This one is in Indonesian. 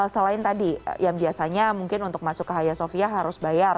selain tadi yang biasanya mungkin untuk masuk ke haya sofia harus bayar